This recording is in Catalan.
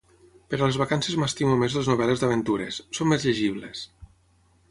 Per a les vacances m'estimo més les novel·les d'aventures, són més llegibles.